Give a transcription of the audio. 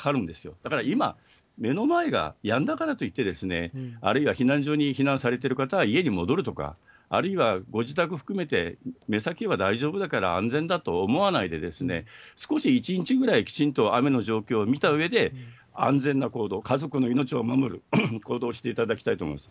だから今、目の前がやんだからといって、あるいは、避難所に避難されてる方は家に戻るとか、あるいはご自宅含めて、目先は大丈夫だから安全だと思わないで、少し１日ぐらいきちんと雨の状況を見たうえで、安全な行動、家族の命を守る行動をしていただきたいと思います。